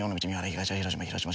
東広島広島